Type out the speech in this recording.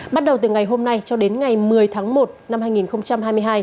bắt đầu từ ngày hôm nay cho đến ngày một mươi tháng một năm hai nghìn hai mươi hai